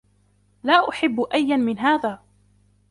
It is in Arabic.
لا أحب أياً من هذا.